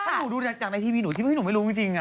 ถ้าหนูดูจากในทีมีหนูทีมีหนูไม่รู้จริงอ่ะ